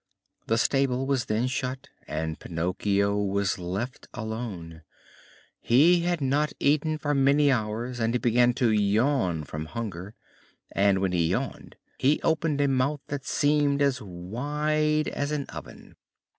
The stable was then shut and Pinocchio was left alone. He had not eaten for many hours and he began to yawn from hunger. And when he yawned he opened a mouth that seemed as wide as an oven.